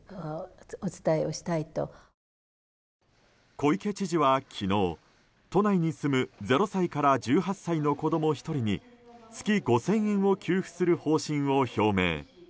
小池知事は昨日、都内に住む０歳から１８歳の子供１人に月５０００円を給付する方針を表明。